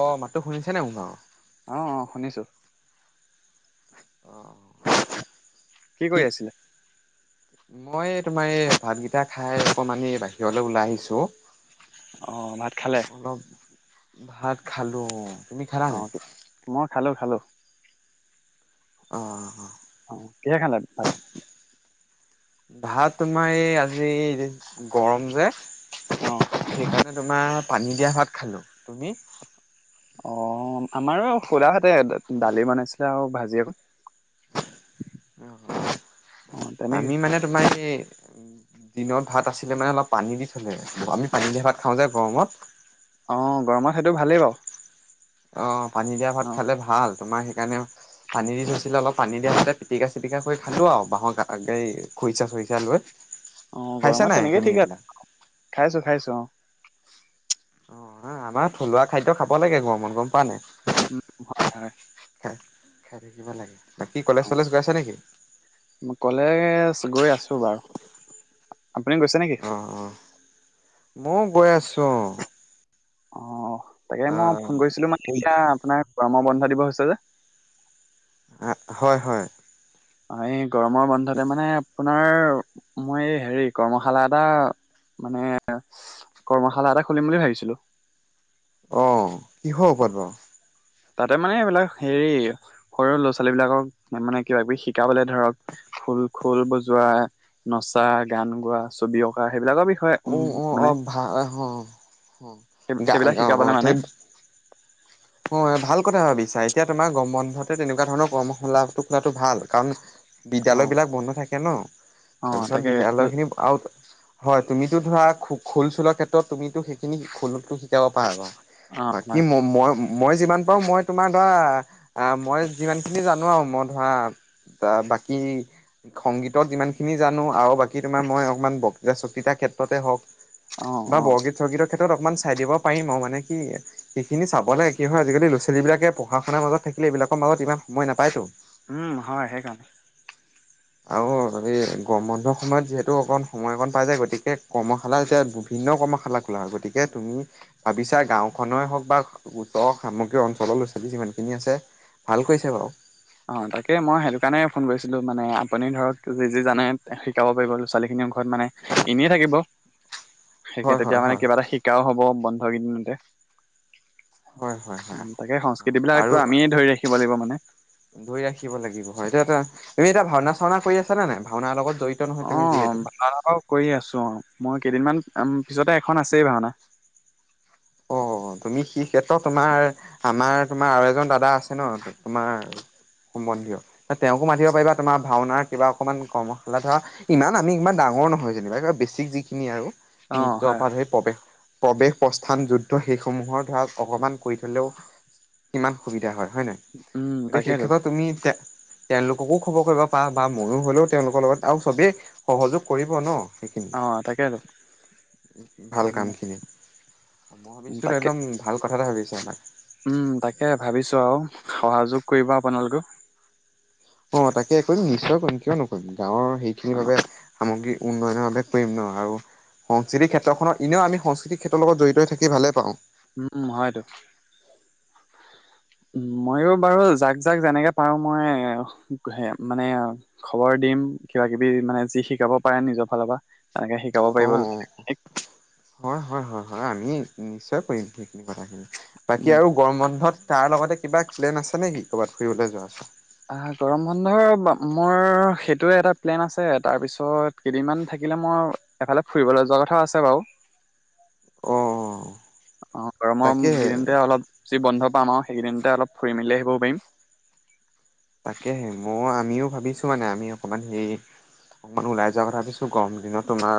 অ মাতো শুনিছে নে মোৰ ভাগৰ। উম উম শুনিছো। আহ কি কৰি আছিলে? মই তোমাৰ এই ভাতকেইটা খাই অকমানি বাহিৰলৈ ওলাই আহিছো অ। আহ ভাত খালে? ভাত খালোঁ উম। অ মই খালো, খালো। অ অ অ অ কিহে খালে ভাত? ভাত তোমাৰ এই আজি গৰম যে। অ সেইকাৰণে। তোমাৰ পানী দিয়া ভাত খালো। তুমি? অ আমাৰো খুড়া হত তে দালি বনাইছিলে আৰু ভাজি [unintelligible] অ অ তেনেকে আমি মানে তোমাৰ এই দিনত ভাত আছিলে মানে অলপ পানী দি থলে, আমি পানী দিলহে ভাত খাওঁ যে গৰমত। অ গৰমত সেইটো ভালেই বাৰু। অ পানী দিয়া ভাত অ খালে ভাল, তোমাৰ সেইকাৰণে পানী দি থৈছিলো আক অলপ পানী দিয়া ভাতে পিটিকা চিটিকা কৰি খালো আৰু বাঁহৰ গ গ খৰিচা খৰিচা লৈ। অ' খাইছা গৰমত নাই তেনেকেই তুমি ঠিকে এইবিলাক আছে খাইছো খাইছো অ'। আমাৰ থলুৱা খাদ্য খাব লাগে, গৰমত গম পাৱ নে নাই। উম হয় [inaudible] খাই থাকিব লাগে। বাকী কলেজ অ' চলেজ গৈ আছা নেকি মই কলেজ গৈ আছো। দুবাৰ। আপুনি গৈছে নেকি? অ অ ময়ো গৈ আছো। অ'। তাকে মই ফোন কৰিছিলো মানে এতিয়া আপোনাৰ গৰমৰ বন্ধ দিব হৈছে যে। হয়-হয়। হয়। গৰমৰ বন্ধতে মানে আপোনাৰ মই হেৰি কৰ্মশালা এটা মানে, কৰ্মশালা এটা খুলিম বুলি ভাবিছিলো। অ'। কিহৰ ওপৰত বাৰু। তাতে মানে এইবিলাক হেৰি সৰু ল'ৰা-ছোৱালী বিলাকক মানে কিবা-কিবি শিকাবলে ধৰক খোল- খোল বজোৱা নচা, গান গোৱা, ছবি অঁকা। সেইবিলাকৰ বিষয়ে উম অ', -অ', - মানে অ' ভাল হয় সেই গা সেইবিলাক গা শিকাবলে গাওঁ মানে হয়, ভাল কথা ভাবিছা এতিয়া তোমাৰ গম বন্ধতে তেনেকুৱা ধৰণৰ কৰ্মশালাটো খোলাটো ভাল কাৰণ অ বিদ্যালয় বিলাক বন্ধ থাকে ন অ তাৰপিছত তাকে বিদ্যালয় খিনি আৰু হয়, তুমিতো ধৰা খো-খোল চোলৰ ক্ষেত্ৰত তুমিতো সেইখিনি খোলো শিকাব পাৰা ন। অ বাকী হয় মই মই মই যিমান পাৰো মই তোমাৰ ধৰা অ' মই যিমান খিনি জানো আৰু মই ধৰা। ত' বাকী সংগীতক যিমান খিনি জানো আৰু বাকী তোমাৰ মই অকমান বক্তৃতা, চক্তৃতাৰ ক্ষেত্ৰতে হওঁক অ বা অ বৰগীত-চৰগীতত ক্ষেত্ৰত অকমান চাই দিব পাৰিম অ' মানে কি সেইখিনি চাবলৈ কি হয় আজিকালি ল'ৰা-ছোৱালীবিলাক পঢ়া শুনাৰ মাজক থাকিলে এইবিলাকত ইমান সময় নাপায়তো। উম, হয় সেইকাৰণে আৰু এই গম বন্ধৰ সময়ত যিহেতু অকণ সময় অকণ পাই যায়, গতিকে কৰ্মশালা এতিয়া বিভিন্ন কৰ্মশালা খোলা হয়, গতিকে তুমি ভাবিছা গাঁওখনৰ হওক বা ওচৰ সমগ্ৰ অঞ্চলৰ ল'ৰা ছোৱালী যিমানখিনি আছে ভাল কৰিছে বাৰু। অ' তাকে মই সেইটো কাৰণে ফোন কৰিছিলো মানে আপুনি ধৰক যি-যি জানে শিকাব পাৰিব, ল'ৰা-ছোৱালী খিনি ঘৰত মানে এনেয়ে থাকিব। সেয়ে হয় তেতিয়া হয় মানে হয় কিবা এটা শিকাও হ'ব। হৰি বোল দে' হয় হয় হয় তাকে সংস্কৃতি আৰু বিলাকতো আমিয়ে ধৰি ৰাখিব লাগিব মানে। ধৰি ৰাখিব লাগিব হয়, এটো এটা, এটা ভওনা ভাওনা কৰি আছা নে নাই? ভাওনাৰ লগত জড়িত নহয় তুমি অ' যিহেতু [unintelligible] কৰি আছো, মই কেইদিনমান উম, পিছতে এখন আছেই ভাওনা অ তুমি সি ক্ষেত্ৰত তোমাৰ, আমাৰ, তোমাৰ আৰু এজন দাদা আছে ন তোমাৰ সম্বন্ধীয়, তেওঁকো মাতিব পাৰিবা তোমাৰ ভাওনাৰ কিবা অকমান কৰ্মশালা ধৰা, ইমান আমি, ইমান ডাঙৰ নহয় যেনিবা, বেছিক যিখিনি আৰু। অ নিত্য হয় অপাধ হৈ পব প্ৰৱেশ প স্থান, যুদ্ধ সেইসমূহৰ ধৰা অকণমান কৰি থলেও কিমান সুবিধা হয়। হয় নাই? উম এতিয়া সেই তাকেতো ক্ষেত্ৰত তুমি তেওঁলোককো খবৰ কৰিব পাৰা বা মইও হলেও তেওঁলোকৰ লগত, আৰু চবেই সহযোগ কৰিব ন। সেইখিনি অ তাকেতো ভাল উম কামখিনি মই উম, ভাবিছো তাকে একদম ভাল কথা ভাবিছো [inaudible] উম তাকে ভাবিছো আৰু সহযোগ কৰিব আপোনালোকেও। অ তাকে কৰিম, নিশ্চয় কৰিম, কিয় নকৰিম। গাঁৱৰ সেইখিনি অ বাবে সামগ্ৰী উন্নয়নৰভাৱে কৰিম ন আৰু সংস্কৃতিৰ ক্ষেত্ৰখনত এনেও আমি সংস্কৃতি ক্ষেত্ৰৰ লগত জড়িত হৈ থাকি ভালেই পাওঁ। উম হয়তো মইও বাৰু যাক-যাক যেনেকে পাৰো, মই মানে খবৰ দিম কিবা-কিবি মানে যি শিকাব পাৰে নিজৰ ফালৰ পৰা। তেনেকে শিকাব অ, পাৰিব অ, ল'ৰা-ছোৱালীখিনিক। হয়, হয়, হয়, হয়, আমি নিশ্চয় কৰিম সেইখিনি কথাখিনি বাকী উম আৰু গৰম বন্ধত তাৰ লগতে কিবা প্লেন আছে নেকি কৰ'ৰবাত ফুৰিবলৈ যোৱা? আহ গৰম বন্ধৰ মোৰ সেইটোৱে এটা প্লেন আছে, তাৰপিছত কেইদিনমান থাকিলে মই এফালে ফুৰিবলৈ যোৱা কথাও আছে বাৰু। অ' অ গৰমম তাকেহে দিনতে অলপ যি বন্ধ পাম আৰু সেইকেইদিনতে অলপ ফুৰি-মেলি আহিবও পাৰিম। তাকে মইও আমিও ভাবিছো মানে আমি অকণমান হেই অকণমান ওলাই যোৱাৰ কথা ভাবিছো, গৰম দিনত তোমাৰ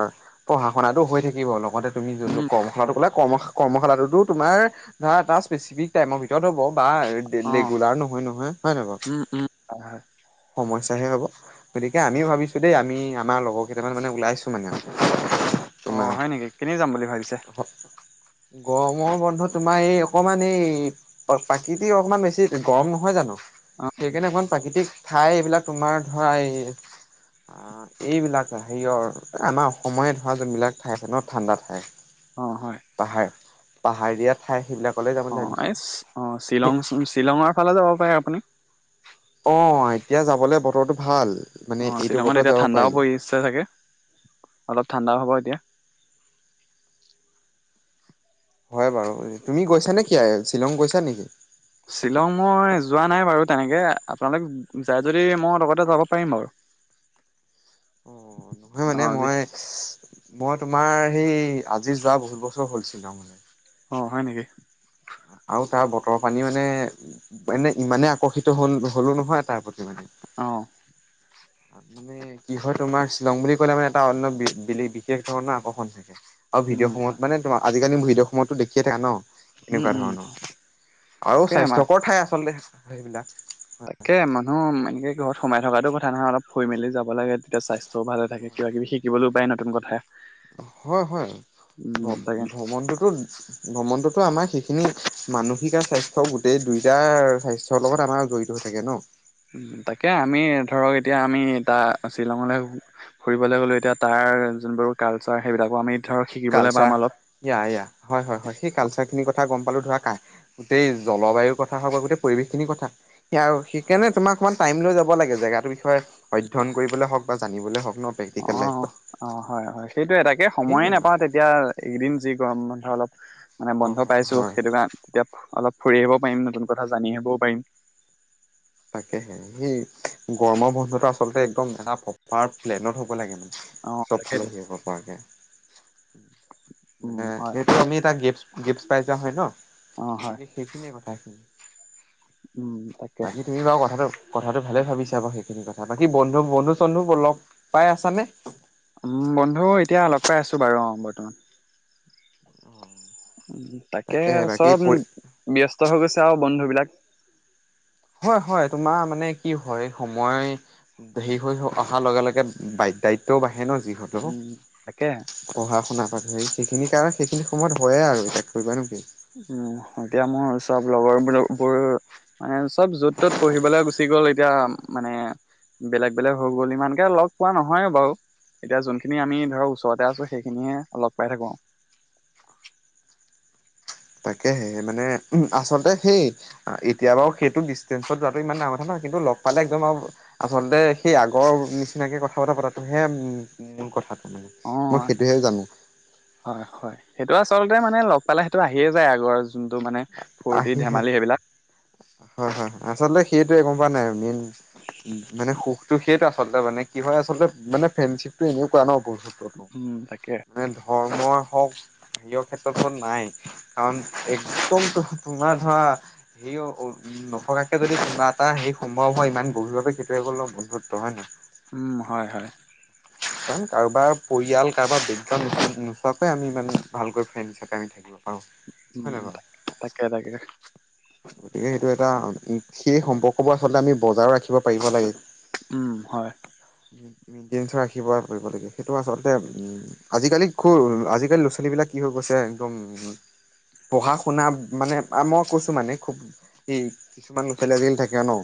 পঢ়া শুনাটো হৈ থাকিব লগতে তুমি যোনটো উম কৰ্মশালাটো ক'লা কৰ্ম কৰ্মশালাটোতো তোমাৰ ধৰা এটা স্পেচিফিক টাইমৰ ভিতৰত হ'ব বা অ ৰেগুলাৰ নহয়, নহয়, হয় নাই বাৰু উম উম হয়, হয়। সমস্যাহে হ'ব, গতিকে আমিও ভাবিছো দেই আমি আমাৰ লগৰ কেইটামান মানে ওলাইছো মানে অ তোমাৰ হয় নেকি? কেনেকে যাম বুলি ভাবিছা? গৰমৰ বন্ধ তোমাৰ এই, অকণমান এই, প্ৰাকৃতিক অকণমান বেছি গৰম নহয় জানো? অ সেইকাৰণে অকণমান প্ৰাকৃতিক ঠাই এইবিলাক তোমাৰ ধৰা, এই আ এইবিলাক হেৰিয়ৰ আমাৰ অসমৰে ধৰা যোনবিলাক ঠাই আছে ন ঠাণ্ডা ঠাই অ হয় পাহাৰ পাহাৰীয়া ঠাই সেইবিলাক অ এই অ শ্বিলং শ্বিলঙৰ ফালে যাব পাৰে আপুনি অ এতিয়া যাবলে বতৰটো ভাল মানে অ এইটো শ্বিলঙত বতৰত এতিয়া যাব পাৰি। ঠাণ্ডাও পৰিছে চাগে অলপ ঠাণ্ডা হ'ব এতিয়া হয় বাৰু তুমি গৈছা নেকি শ্বিলং গৈছা নেকি শ্বিলং মই যোৱা নাই বাৰু তেনেকে আপোনালোক যাই যদি মই লগতে যাব পাৰিম বাৰু অ নহয় অ মানে যি মই মই তোমাৰ সেই আজি যোৱা বহুত বছৰ হলছিল ত মানে অ হয় নেকি আৰু তাৰ বতৰৰ পানী মানে মানে ইমানে আকৰ্ষিত হল হলো নহয় তাৰ প্ৰতি মানে অ মি কি হয় তোমাৰ শ্বিলং বুলি কলে মানে এটা অন্য বিশেষ ধৰণৰ আকৰ্ষণ থাকে আৰু উম ভিডিঅ' হয় সমত মানে তোমাৰ আজিকালি ভদৰয়তো দেিয় থাকে ন উম এনেকুৱা উম ধৰণৰ আৰু তাকে মা স্বাস্থ্যকৰ ঠাই আচলতে সেইবিলাক তাকে মানুহ এ ঘৰত সোমাই থকাটো কথা নহয় অলপুই মি যাব লাগে তেতিয়া স্বাস্থ্য চ ভালে থাকে কিব কিবি শিকিবলৈো বাই নতুন কথা হয় হয় উম তাকে ভ্ৰমণটোতো ভ্ৰমণটোতো আমাৰ সেইখিনি মানসিক আৰু স্বাস্থ্্য গোটেই দুইটাাৰ স্বাস্থ্যৰ লগত আমাৰ জডৰিিত হৈ থাকে ন তাকে আমি ধৰক এতিয়া আমি তাৰ শ্বিলঙলৈ ফুৰিবলৈ গলো এতিয়া তাৰ যোনবোৰ কালচাৰ সেইবিলাকো আমি ধৰক শিকিবলৈ পাম অলপ। কালচাৰয়া হয় হয় হয় সেই কালচাৰ খিনিৰ কথা গম পালো ধৰা গোটেই জলবায়ুৰ কথা হওক বা গোটেই পৰিৱেশ খিনিৰ কথা স সেই কাৰণে তোমাক অমান টাইম লৈ যাব লাগে জেগাটোৰ বিষয়ে অধ্য়ন কৰিবলে হওঁক বা জানিবলৈ হওক ন অ প্ৰেক্টিকেল লাইফত অ হয় হয় সেইটোয়ে তাক তে সময়ে সেইখিনিয়ে নাপাওঁ তেতিয়া এইকেইদিন যি গম মলপ মানে হয় বন্ধ হয় পাইছো হয় সেইটো কাৰণ তেতিয়া অলপ ফুৰি আহিব পাৰিম নতুন কথা জানি আহিবও পাৰিম তাকেহে স গৰমৰ বন্ধটো আচলতে একদম এটা প্ৰপাৰ প্লেনত হ'ব ে অ' চব ফালে তাকেইতো স হব পৰাে উম মানে হয় এইটো আমি এটা গ গিফ্ট পাইজা হয় ন অ' হয় গতিকে সেইখিনিয়ে কথা হয় উম তাকে বাকী তুমি বাও কথাটো কথাটো ভালে ভাবিছা বাৰু সেইখিনি কথা বাকী বন্ধু বন্ধু চন্ধু লগ পাই আছা নে উম বন্ধু এতিয়া লগ পাই আছো বাৰু অ বৰ্তমান উম তাকে তাকেহে বাকী চব পৰি ব্যস্ত হৈ গৈছে আৰু বন্ধ বিলাক হয় হয় তোমাৰ মানে কি হয় সময় হেৰি হৈ অহাৰ লগে লগে দায়িত্বও বাঢ়ে ন যিহেতু উম, তাকে পঢ়া শুনা পা সেই সেইখিনি কাৰণে সেইখিনি সময়ত হয়য়ে আও এতি কৰিবা নো কি উম এতিয়া মোৰ ও চব লগবোৰৰ বোৰ অচচ চব য'ত ত'ত পঢ়িবলৈ গুচি গ'ল এতিয়া মানে বেলেগ বেলেগ হৈ গ'ল ইমানকে লগ পোৱা নহয় বাৰু এতিয়া যোনখিনি আমি ধৰক ওচৰতে আছো সেইখিনিহে লগ পাই থাকো তাকেহে মানে উম আচলতে সেই এতিয়া বাৰু সেইটো ডিচেঞ্চত যোৱাটো ইমান ডাঙৰ কথা নহয় কিন্তু লগ পালে একদম আৰু আচলতে সেই আগৰ নিচিনাকে কথা বতৰা পতাটো হে মূল কথা অ হয় হয় সেইটো আচলতে মানে লগ পালে আহিয়ে যায় আগৰ যোনটো মানে ফূৰ্তি আহি হে ধেমালি সেইবিলাক হয় হয় আচলতে সেইটো এ নাই নোন উম মানে সুখটো সেইটে আছ আচল মানে কি হয় আচলতে মানে ফ্ৰেশ্বিপটো এনেকুৱা ন বৈহিত্বটো উম, তাকে নে ধৰ্মৰ হওক হেঅ ক্ষেত্ৰতো নাই কাৰণ কম তোমাৰ ধৰা সেই অ ঔ উম নথকাকে যদি তোমাৰ এটা সেই সম্ভৱ হয় ইমান গভীৰভাৱে কেতিয়াও গলপ বন্ধুত্ব হয় নে নহয় উম হয় হয় আও কাৰোবাৰ পৰিয়াল কাৰোবাৰ বেগগাউন নোচোৱাকে আমি মানে ভালকৈ ফ্ৰে হিচাকে আমি থাকিব পাৰো উম হয় নাই বাৰু তাকে তাকে তাকে গতিকে সেইটো এটা উ সেই সম্পৰ্ক বোৰ আচলতে আমি বজাইও ৰাখিব পাৰিব লাগে উম হয় উম উম গন্থ কিবা কৰিব লাগে সেইটো আচলতে উম আজিকালি সউ আজিকালি ল'ৰা ছোৱালীবিলাক কি হৈ গৈছে একদম পঢ়া শুনা মানে মই কৈছোঁ মানে খুব এই কিছুমান ল'ৰা ছোৱালী আজিকালি থাকে ন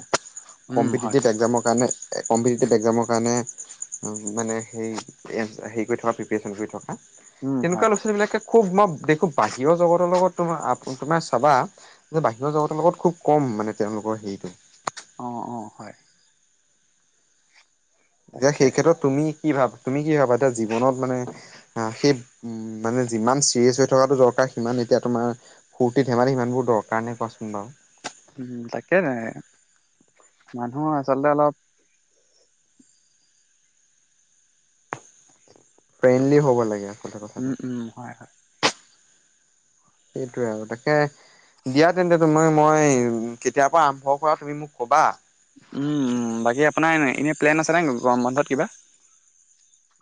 উম হয় কম্পিটিটিভ এক্জামৰ কাৰণে কম্পিটিটিভ এক্সামৰ কাৰণে মানে হেই হেৰি কৰি থকা প্ৰিপেৰে্শন কৰি থকা উম হয় তেনেকুৱা ল'ৰা ছোৱালী বিলাকে খুব মই দেখোঁ বাহিৰৰ জগতৰ লগত তোমাৰ তোমাৰ চাবা যে বাহিৰৰ জগতৰ লগত খুব কম মানে তেওঁলোকৰ হেৰিটো অ অ হয় যেতি তাকে সেই ক্ষেত্ৰত তুমি কি ভাব-তুমি কি ভাবা এতিয়া জীৱনত মানে, সেই মানে যিমান চিৰিয়াছ হৈ থকাটো দৰকাৰ সিমান এতিয়া তোমাৰ ফূৰ্তি ধেমালি সিমানবোৰ দৰকাৰ নে কোৱাচোন বাৰু। উম ', তাকে, মানুহৰ আচলতে অলপ ফ্ৰেণ্ডলি হ'ব লাগে। আচলতে কথাটো উম- উম, হয়- হয়। সেইটোৱে আৰু, তাকে দিয়া তেন্তে তুমি মই, কেতিয়াৰ পৰা আৰম্ভ কৰা তুমি মোক কবা। উম -উম, বাকী আপ আপোনাৰ এনে-এনেই প্লেন আছেনে গৰম বন্ধত কিবা?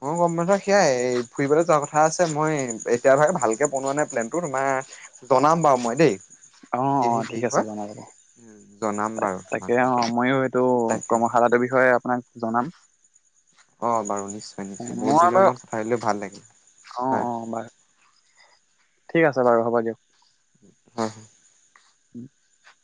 মই গৰম বন্ধত সেইয়াই, ফুৰিবলৈ যোৱা কথা কথা আছে, মই এতিয়া ধৰা ভালকৈ বনোৱা নাই প্লেনটো, তোমাৰ জনাম বাৰু মই দেই। অহ', - কি অহ', হেৰি ঠিক আছে হয় জনাই দিব, জনাম বাৰু তাক-তাকে তোমাক অ', মইও এইটো তাকে কৰ্মশালাটোৰ বিষয়ে আপোনাক জনাম। অহ', বাৰু নি নিশ্চয়- নিশ্চয়, বহু দিনৰ মূৰত কথা পাতিলোঁ, ভাল লাগিল। অহ', - হয় অহ', বাৰু। ঠিক আছে বাৰু হ'ব দিয়ক। হয় -হয়। [inaudible]